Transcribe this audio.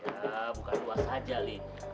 ya bukan luas aja lih